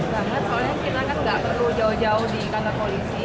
kita kan gak perlu jauh jauh di kantor polisi